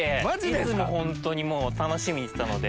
いつもホントに楽しみにしてたので。